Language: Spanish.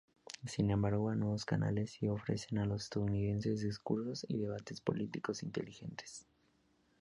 Sin embargo, algunos canales sí ofrecen a los estadounidenses discursos y debates políticos inteligentes.